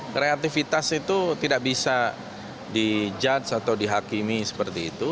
kreativitas itu tidak bisa dijudge atau dihakimi seperti itu